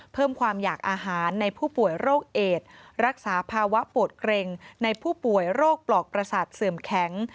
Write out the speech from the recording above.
เพิ่มความอยากอาหารในผู้ป่วยโรคเอดรักษาภาวะปวดเกร็งในผู้ป่วยโรคปลอกประสาทเสื่อมแข็ง